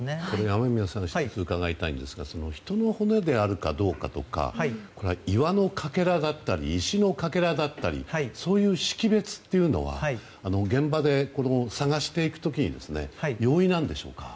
雨宮さんに１つ伺いたいんですが人の骨であるかどうかとか岩のかけらだったり石のかけらだったりそういった識別というのは現場で捜していく時に容易なんでしょうか。